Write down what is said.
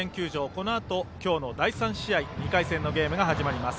このあと今日の第３試合２回戦のゲームが始まります。